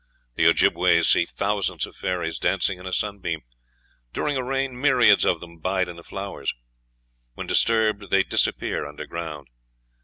The Ojibbeways see thousands of fairies dancing in a sunbeam; during a rain myriads of them bide in the flowers. When disturbed they disappear underground.